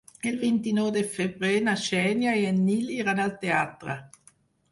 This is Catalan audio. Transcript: El vint-i-nou de febrer na Xènia i en Nil iran al teatre.